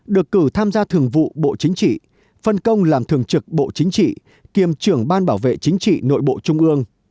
được cử tham gia thường vụ bộ chính trị phân công làm thường trực bộ chính trị kiêm trưởng ban bảo vệ chính trị nội bộ trung ương